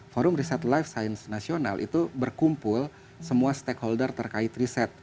forum riset life science nasional itu berkumpul semua stakeholder terkait riset